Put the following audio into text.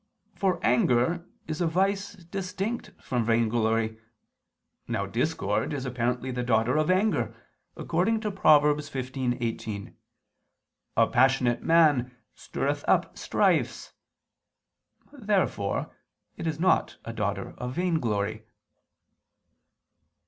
For anger is a vice distinct from vainglory. Now discord is apparently the daughter of anger, according to Prov. 15:18: "A passionate man stirreth up strifes." Therefore it is not a daughter of vainglory.